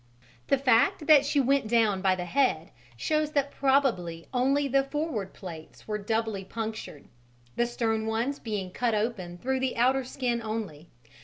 The fact that she went down by the head shows that probably only the forward plates were doubly punctured, the stern ones being cut open through the outer skin only.